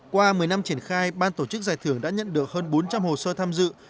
qua một mươi năm triển khai ban tổ chức giải thưởng đã nhận được hơn bốn trăm linh hồ sơ tham dự